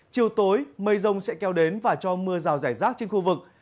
chiều tối mây rông sẽ kéo đến và cho mưa rào rải rác trên khu vực